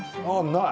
ない。